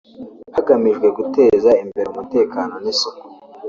hagamijwe guteza imbere umutekano n’isuku